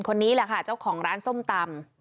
คนนี้แหละค่ะเจ้าของร้านส้มตำ